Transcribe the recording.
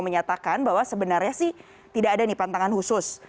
menyatakan bahwa sebenarnya sih tidak ada nih pantangan khusus